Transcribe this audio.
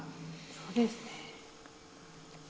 そうですね。